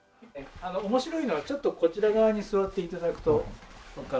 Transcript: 面白いのがちょっとこちら側に座って頂くと。